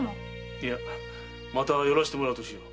いやまた寄らせてもらうとしよう。